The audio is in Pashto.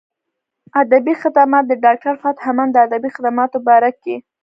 ادبي خدمات د ډاکټر فتح مند د ادبي خدماتو باره کښې